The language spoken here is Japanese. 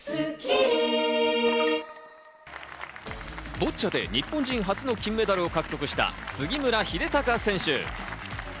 ボッチャで日本人初の金メダルを獲得した杉村英孝選手。